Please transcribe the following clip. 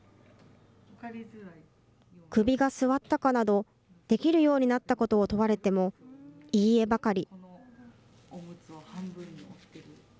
首がすわったかなど、できるようになったことを問われても、いいえばかり。